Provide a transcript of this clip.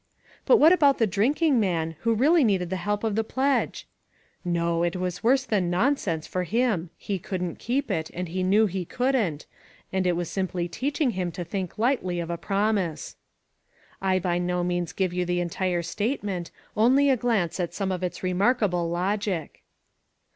But what about the drinking man, who really needed the help of the pledge? "No, it was worse than nonsense for him ; he couldn't keep it, and knew he couldn't, and it was simply teaching him to think lightly of a promise?" I by no means give you the entire statement, only a glance at some of its remarkable logic.